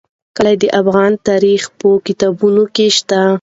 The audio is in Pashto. کلي د افغان تاریخ په کتابونو کې شته.